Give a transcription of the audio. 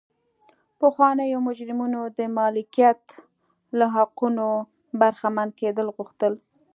پخوانیو مجرمینو د مالکیت له حقونو برخمن کېدل غوښتل.